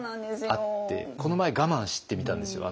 この前我慢してみたんですよ。